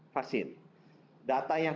vaksin data yang